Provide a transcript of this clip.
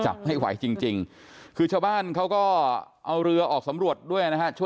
มันไอ้เช่แน่เขามันไหว